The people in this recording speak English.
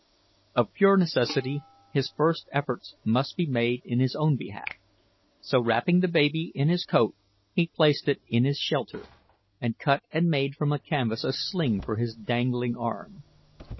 Of pure necessity, his first efforts must be made in his own behalf; so wrapping the baby in his coat he placed it in his shelter, and cut and made from the canvas a sling for his dangling arm.